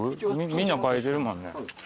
みんな書いてるもんね。